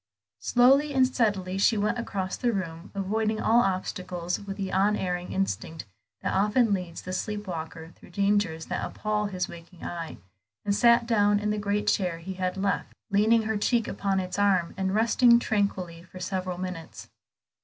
Slowly and steadily she went across the room, avoiding all obstacles with the unerring instinct that often leads the sleepwalker through dangers that appall his waking eyes, and sat down in the great chair he had left, leaned her cheek upon its arm, and rested tranquilly for several minutes.